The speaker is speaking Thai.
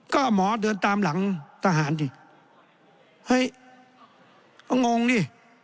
ก็หมอเดินตามหลังทหารดิเฮ้ยก็งงดิ